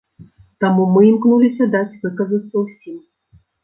Таму мы імкнуліся даць выказацца ўсім.